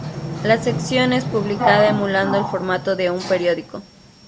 La sección es publicada emulando el formato de un periódico.